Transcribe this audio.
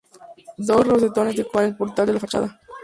Dos rosetones decoran el portal de la fachada.